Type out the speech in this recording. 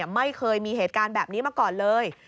ไม่เคยมีเหตุการณ์แบบนี้มาก่อนเลย